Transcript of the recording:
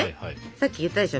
さっき言ったでしょ